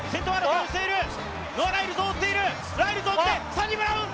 サニブラウン！